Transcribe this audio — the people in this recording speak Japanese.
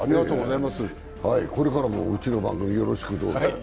これからもうちの番組をよろしくどうぞ。